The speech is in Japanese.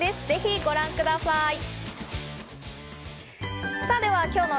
ぜひご覧ください。